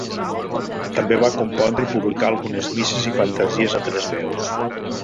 També va compondre i publicà algunes misses i fantasies a tres veus.